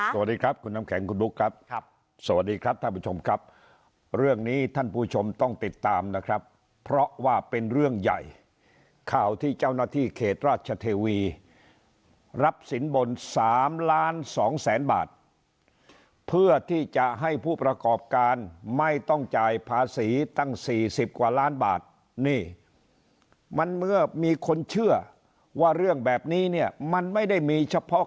สวัสดีครับคุณน้ำแข็งคุณบุ๊คครับสวัสดีครับท่านผู้ชมครับเรื่องนี้ท่านผู้ชมต้องติดตามนะครับเพราะว่าเป็นเรื่องใหญ่ข่าวที่เจ้าหน้าที่เขตราชเทวีรับสินบน๓ล้านสองแสนบาทเพื่อที่จะให้ผู้ประกอบการไม่ต้องจ่ายภาษีตั้งสี่สิบกว่าล้านบาทนี่มันเมื่อมีคนเชื่อว่าเรื่องแบบนี้เนี่ยมันไม่ได้มีเฉพาะ